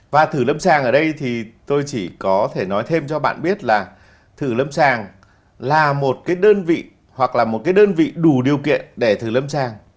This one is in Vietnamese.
và thử lâm sàng ở đây thì tôi chỉ có thể nói thêm cho bạn biết là thử lâm sàng là một cái đơn vị hoặc là một cái đơn vị đủ điều kiện để thử lâm trang